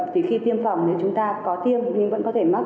thì khi tiêm phòng thì chúng ta có tiêm nhưng vẫn có thể mắc